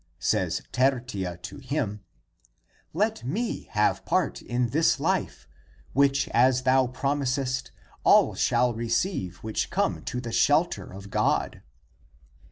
Says Tertia to him, " Let me have part in this life, which, as thou promisest. all shall receive which come to the shelter of God."